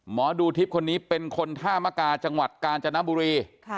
หมอดูทิพย์คนนี้เป็นคนท่ามกาจังหวัดกาญจนบุรี